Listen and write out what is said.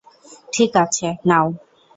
ঠিক আছে, নাও।